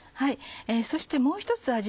そしてもう１つ味